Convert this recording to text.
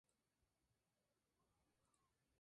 La Pirámide Roja no siempre fue de este color.